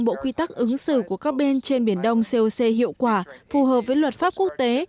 bộ quy tắc ứng xử của các bên trên biển đông coc hiệu quả phù hợp với luật pháp quốc tế